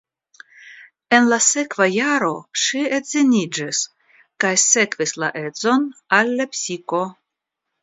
En la sekva jaro ŝi edziniĝis kaj sekvis la edzon al Lepsiko.